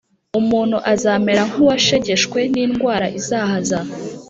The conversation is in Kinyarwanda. umuntu azamere nk’uwashegeshwe n’indwara izahaza.